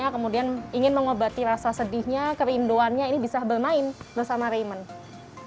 kemudian ingin mengobati rasa sedihnya kerinduannya ini bisa bermain bersama raiman